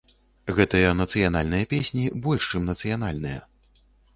Гэтыя нацыянальныя песні больш, чым нацыянальныя.